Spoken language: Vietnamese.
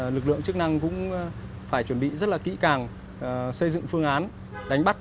lực lượng chức năng cũng phải chuẩn bị rất là kỹ càng xây dựng phương án đánh bắt